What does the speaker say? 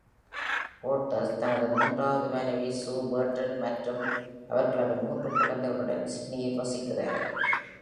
Waters தனது மூன்றாவது மனைவி Zoe Burton மற்றும் அவர்களது மூன்று குழந்தைகளுடன் சிட்னியில் வசிக்கிறார்.